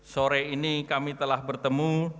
sore ini kami telah bertemu